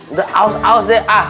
udah aus aus deh ah